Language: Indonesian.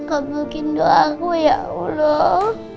agungin doaku ya allah